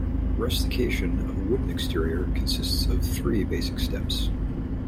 Rustication of a wooden exterior consists of three basic steps.